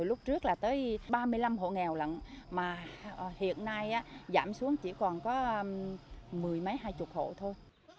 lúc trước là tới ba mươi năm hộ nghèo lặng mà hiện nay giảm xuống chỉ còn có mười mấy hai mươi hộ thôi